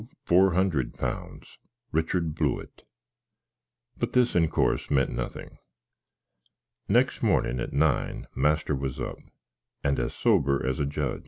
four hundred pounds, Richard Blewitt:" but this, in cors, ment nothink. Nex mornin, at nine, master was up, and as sober as a judg.